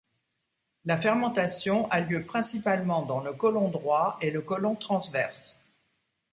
La fermentation a lieu principalement dans le colon droit et le colon transverse.